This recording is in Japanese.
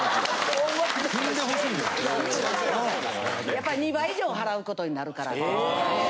やっぱり２倍以上払うことになるから。え。